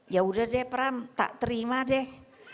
ya udah deh pram tak terima deh